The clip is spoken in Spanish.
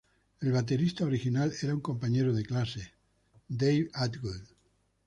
El baterista original era un compañero de clase, Dave Atwood.